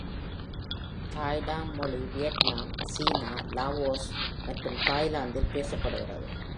Tai Dam மொழி Vietnam, சீனா, Laos மற்றும் தாய்லாந்தில் பேசப்படுகிறது.